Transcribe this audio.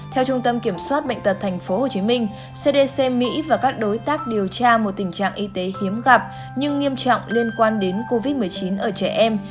theo trung tâm kiểm soát bệnh tật tp hcm cdc mỹ và các đối tác điều tra một tình trạng y tế hiếm gặp nhưng nghiêm trọng liên quan đến covid một mươi chín ở trẻ em